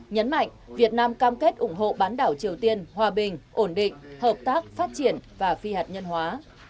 nhấn mạnh việt nam cam kết ủng hộ bán đảo triều tiên hòa bình ổn định hợp tác phát triển và phi hạt nhân hóa